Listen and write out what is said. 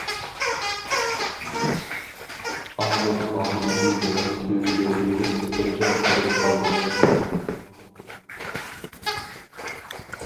ئاندىن ئالدىدىكى دەرەخ تۈۋىگە بېرىپ بىر دەم تۇرۇپ قالدىم.